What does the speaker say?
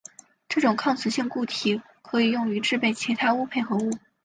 这种抗磁性固体可以用于制备其它钨配合物。